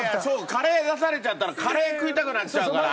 カレー出されちゃったらカレー食いたくなっちゃうから！